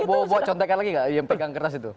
bo bo contekan lagi gak yang pegang kertas itu